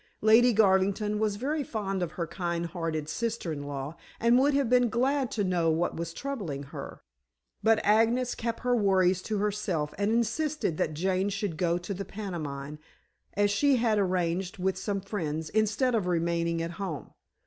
Lady Garvington was very fond of her kind hearted sister in law, and would have been glad to know what was troubling her. But Agnes kept her worries to herself, and insisted that Jane should go to the pantomime, as she had arranged with some friends instead of remaining at home.